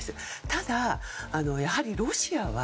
ただ、やはりロシアは